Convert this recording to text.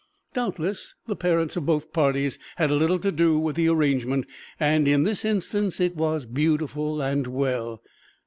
Doubtless the parents of both parties had a little to do with the arrangement, and in this instance it was beautiful and well.